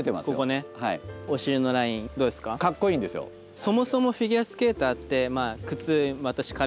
そもそもフィギュアスケーターってまあ